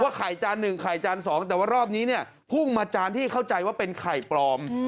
ว่าไข่จาน๑ไข่จาน๒แต่ว่ารอบนี้พุ่งมาจานที่เข้าใจว่าเป็นไข่ปลอม